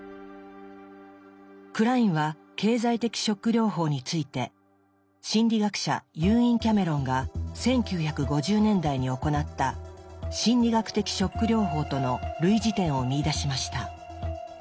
クラインは「経済的ショック療法」について心理学者ユーイン・キャメロンが１９５０年代に行った「心理学的ショック療法」との類似点を見いだしました。